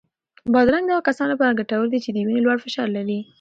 بادرنګ د هغو کسانو لپاره ګټور دی چې د وینې لوړ فشار لري.